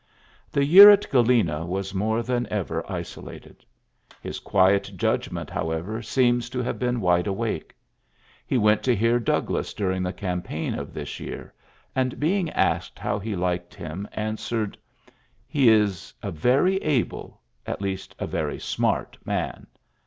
The year at (Mena was more tl ever isolated. His quiet judgm< however, seems to have been wi awake. He went to hear Douglas 6 ing the campaign of this year, a being asked how he liked him, answei " He is a very able, at least a very sn man.''